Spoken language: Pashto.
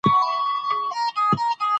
تاریخ د خپل ولس د وفا لامل دی.